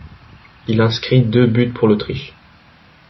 Il inscrit deux buts pour l'Autriche.